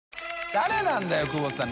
誰なんだよ久保田さん